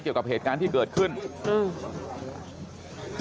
เกี่ยวกับเหตุการณ์ที่เกิดขึ้นอืม